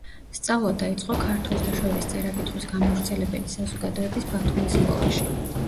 სწავლა დაიწყო ქართველთა შორის წერა-კითხვის გამავრცელებელი საზოგადოების ბათუმის სკოლაში.